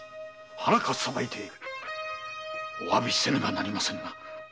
腹かっさばいてお詫びせねばなりませぬが。